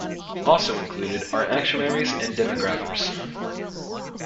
Also included are actuaries and demographers.